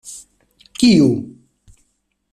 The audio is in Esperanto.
Kiu?